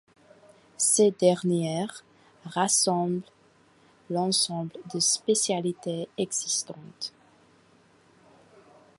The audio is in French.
Ces dernières rassemblent l'ensemble de spécialités existantes.